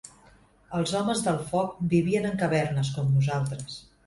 Els Homes del Foc vivien en cavernes, com nosaltres.